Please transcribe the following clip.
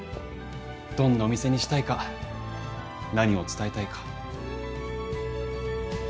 どんなお店にしたいか何を伝えたいか。